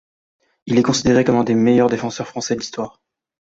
Il est considéré comme un des meilleurs défenseurs français de l'histoire.